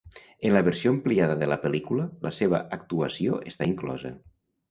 En la versió ampliada de la pel·lícula, la seva actuació està inclosa.